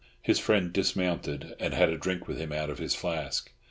His friend dismounted and had a drink with him out of his flask.